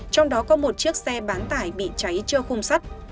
trong đó có một chiếc xe bán tải bị cháy trơ khung sắt